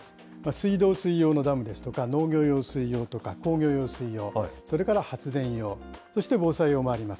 水道水用のダムですとか、農業用水用とか、工業用水用、それから発電用、そして防災用もあります。